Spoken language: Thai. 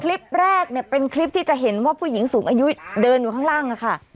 คลิปแรกเนี่ยเป็นคลิปที่จะเห็นว่าผู้หญิงสูงอายุเดินอยู่ข้างล่างค่ะ